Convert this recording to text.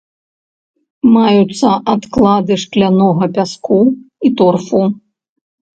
Маюцца адклады шклянога пяску і торфу.